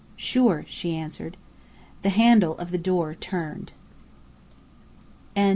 "Sure," she answered. The handle of the door turned.